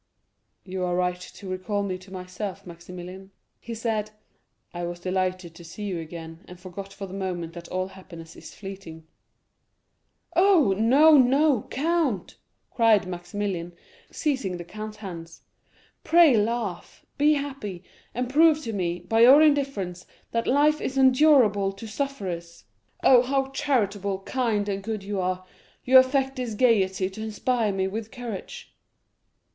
"You are right to recall me to myself, Maximilian," he said; "I was delighted to see you again, and forgot for the moment that all happiness is fleeting." "Oh, no, no, count," cried Maximilian, seizing the count's hands, "pray laugh; be happy, and prove to me, by your indifference, that life is endurable to sufferers. Oh, how charitable, kind, and good you are; you affect this gayety to inspire me with courage."